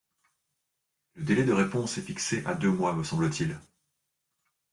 Le délai de réponse est fixé à deux mois, me semble-t-il.